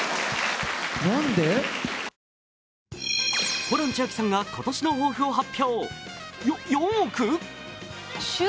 ホラン千秋さんが今年の抱負を発表。